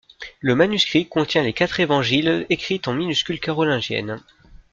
Le manuscrit contient les quatre évangiles écrites en minuscule carolingienne.